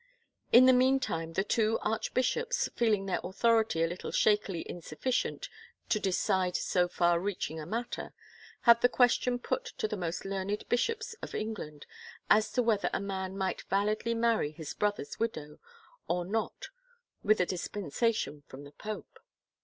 In the meantime, the two archbishops, feeling their authority a little shakily insufficient to de cide so far reaching a matter, had the question put to the most learned bishops of England as to whether a man might validly marry his brother's widow or not with a dispensation from the pope.